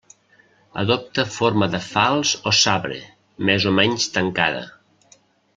Adopta forma de falç o sabre, més o menys tancada.